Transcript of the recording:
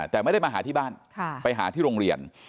แต่ไม่ได้มาหาที่บ้านไปหาที่โรงเรียน